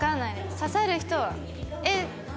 刺さる人は。